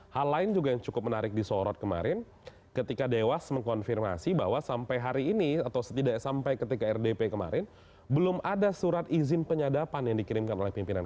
hal lain juga yang cukup menarik disorot kemarin ketika dewas mengkonfirmasi bahwa sampai hari ini atau setidaknya sampai ketika rdp kemarin belum ada surat izin penyadapan yang dikirimkan oleh pimpinan kpk